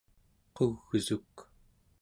qugsuk